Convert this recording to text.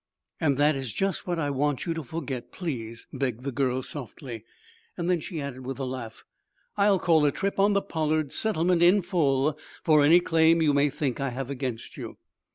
"And that is just what I want you to forget, please," begged the girl, softly. Then she added, with a laugh: "I'll call a trip on the 'Pollard' settlement in full for any claim you may think I have against you."